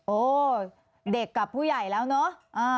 โอ้เด็กกับผู้ใหญ่แล้วเนอะ